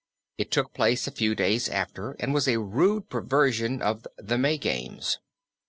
It took place a few days after, and was a rude perversion of the May games.